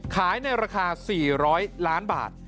ในราคา๔๐๐ล้านบาท